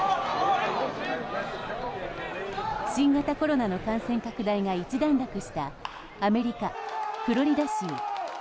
新型コロナの感染拡大が一段落したアメリカ・フロリダ州。